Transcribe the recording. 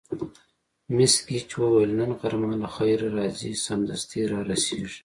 مس ګېج وویل: نن غرمه له خیره راځي، سمدستي را رسېږي.